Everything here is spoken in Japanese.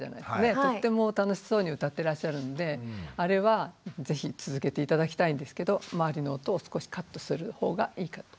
とっても楽しそうに歌ってらっしゃるんであれは是非続けて頂きたいんですけど周りの音を少しカットするほうがいいかと思います。